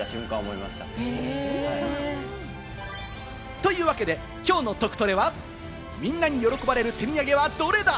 というわけで、きょうのトクトレは、みんなに喜ばれる手土産はどれだ？